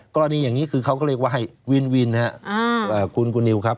กรณีอย่างนี้คือเขาก็เรียกว่าในวินวิญคุณกูนิวครับ